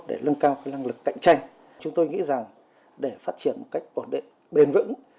để lưng cao năng lực cạnh tranh chúng tôi nghĩ rằng để phát triển một cách ổn định bền vững